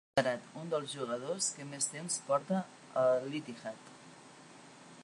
És considerat un dels jugadors que més temps porta a l'Ittihad.